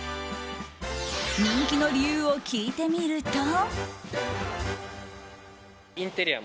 人気の理由を聞いてみると。